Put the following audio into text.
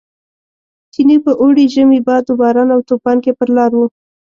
چیني په اوړي، ژمي، باد و باران او توپان کې پر لار و.